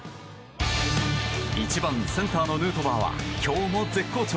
１番センターのヌートバーは今日も絶好調。